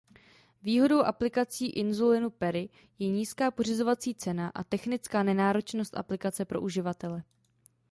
Výhodou aplikací inzulinu pery je nízká pořizovací cena a technická nenáročnost aplikace pro uživatele.